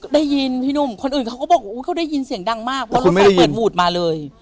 ได้ยินพี่หนุ่มคนอื่นเขาก็บอกเขาได้ยินเสียงดังมากเพราะรถไฟเปิดหวูดมาเลย